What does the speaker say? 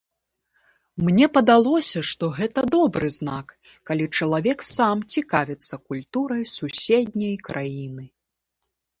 Мне падалося, што гэта добры знак, калі чалавек сам цікавіцца культурай суседняй краіны.